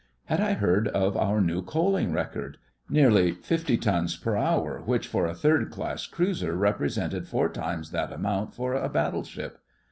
Had I heard of our new coaling record? Nearly fifty tons per hour, which for a third class cruiser represented four times that amount for a battleship.